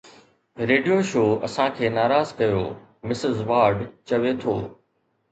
radio show اسان کي ناراض ڪيو، مسز وارڊ چوي ٿو